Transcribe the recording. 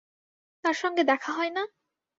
তাঁর সঙ্গে দেখা হয় না?